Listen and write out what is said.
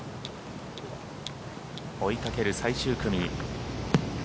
追いかける最終組